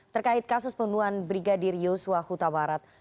terkait kasus penuhan brigadir yuswa huta barat